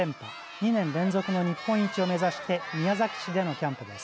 ２年連続の日本一を目指して宮崎市でのキャンプです。